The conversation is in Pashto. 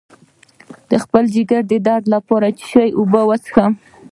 د ځیګر د درد لپاره د څه شي اوبه وڅښم؟